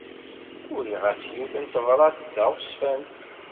Uriɣ-as yiwet n tebṛat d taɣezfant.